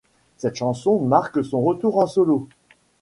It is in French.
Cette chanson marque son retour en solo.